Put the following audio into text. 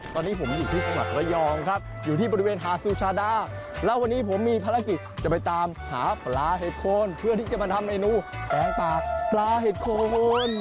ตอนนี้ผมอยู่ที่จังหวัดระยองครับอยู่ที่บริเวณหาดสุชาดาแล้ววันนี้ผมมีภารกิจจะไปตามหาปลาเห็ดโคนเพื่อที่จะมาทำเมนูแกงปากปลาเห็ดโคน